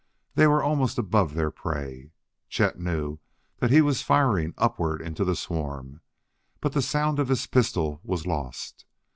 They were almost above their prey. Chet knew that he was firing upward into the swarm, but the sound of his pistol was lost.